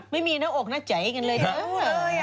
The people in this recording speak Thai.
ไม่มีน้องอกน้าใจเนี่ย